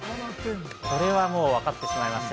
これはわかってしまいました。